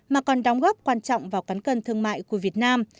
mà còn đóng góp quan trọng vào cán cân thương mại của việt nam